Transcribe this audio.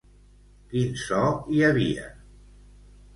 Quin so hi havia?